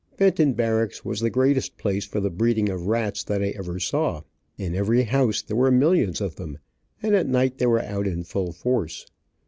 Benton Barracks was the greatest place for the breeding of rats that I ever saw. In every house there were millions of them, and at night they were out in full force.